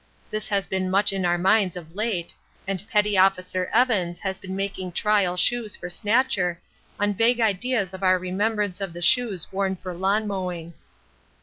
This has been much in our minds of late, and Petty Officer Evans has been making trial shoes for Snatcher on vague ideas of our remembrance of the shoes worn for lawn mowing.